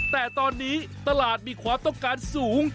แต่ตอนนี้ตลาดมีความต้องการสูง